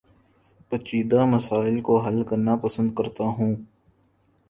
پیچیدہ مسائل کو حل کرنا پسند کرتا ہوں